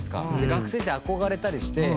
学生時代憧れたりして。